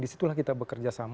di situlah kita bekerja sama